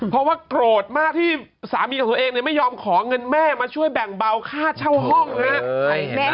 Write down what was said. เพราะว่าโกรธมากที่สามีของตัวเองไม่ยอมขอเงินแม่มาช่วยแบ่งเบาค่าเช่าห้องครับ